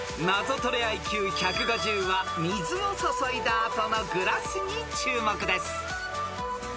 ［ナゾトレＩＱ１５０は水を注いだ後のグラスに注目です］